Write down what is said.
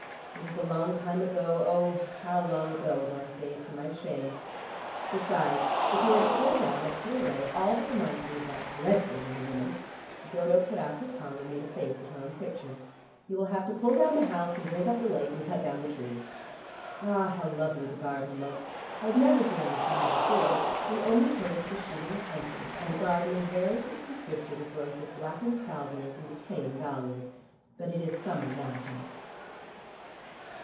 It is a long time ago, oh, how long ago, though I say it to my shame. Besides, if you are to pull down or put away all that reminds me of that dreadful young woman" Dodo put out her tongue and made a face at her own picture "you will have to pull down the house and drink up the lake and cut down the trees. Ah, how lovely the garden looks! I was never here in the summer before: we only came for the shooting and hunting and the garden invariably consisted of rows of blackened salvias and decaying dahlias. But it is summer now, Jack."